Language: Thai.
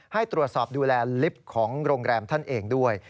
ให้ตรวจสอบดูแลลิฟต์ของโรงแรมท่านเองด้วย